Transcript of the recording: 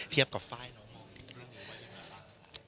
เพียบกับไฟล์น้องคนนี้เลยต้องทำครับ